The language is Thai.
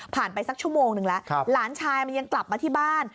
ไปสักชั่วโมงนึงแล้วหลานชายมันยังกลับมาที่บ้าน